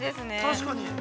◆確かに。